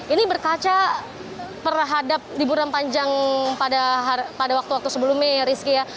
ini berkaca perhadap liburan panjang pada waktu waktu sebelumnya